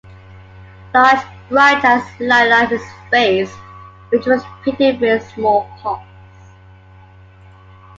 Large bright eyes lighted up his face, which was pitted with smallpox.